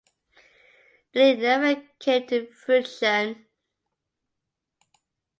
The league never came to fruition.